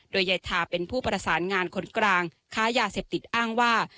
โดยยายทาเป็นผู้ประสานงานคนกลางค้ายาเสพติดอ้างว่า